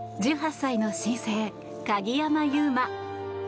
１８歳の新星、鍵山優真。